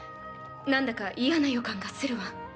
なんだか嫌な予感がするわ。